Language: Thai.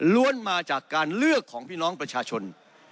มาจากการเลือกของพี่น้องประชาชน